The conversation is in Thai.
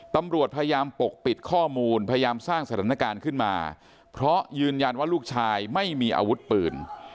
ตำรวจพยายามปกปิดข้อมูลพยายามสร้างสถานการณ์ขึ้นมาเพราะยืนยันว่าลูกชายไม่มีอาวุธปืน